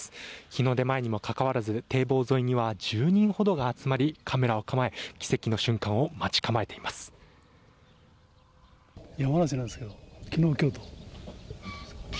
日の出前にもかかわらず堤防沿いには１０人ほどが集まりカメラを構え奇跡の瞬間を待ち構えています。